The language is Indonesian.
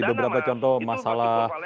itu masuk kebuka levis namanya